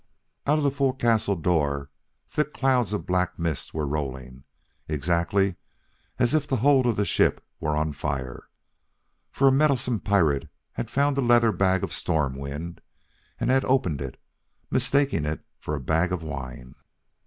Out of the forecastle door thick clouds of black mist were rolling, exactly as if the hold of the ship were on fire. For a meddlesome pirate had found the leather bag of storm wind and had opened it, mistaking it for a bag of wine.